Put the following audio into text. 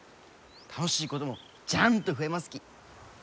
楽しいこともジャンと増えますき。